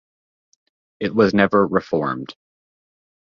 It was never reformed.